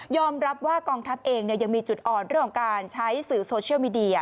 รับว่ากองทัพเองยังมีจุดอ่อนเรื่องของการใช้สื่อโซเชียลมีเดีย